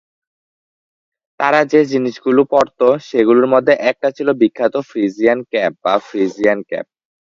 তারা যে-জিনিসগুলো পরত, সেগুলোর মধ্যে একটা ছিল বিখ্যাত ফ্রিজিয়ান ক্যাপ বা ফ্রিজিয়ান ক্যাপ।